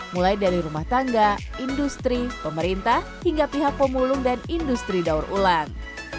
mulai dari rumah tangga industri pemerintah hingga pihak pemulung dan industri daur ulang